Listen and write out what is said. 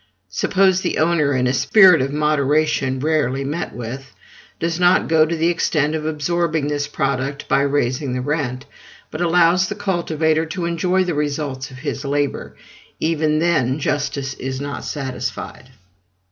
Suppose the owner, in a spirit of moderation rarely met with, does not go to the extent of absorbing this product by raising the rent, but allows the cultivator to enjoy the results of his labor; even then justice is not satisfied.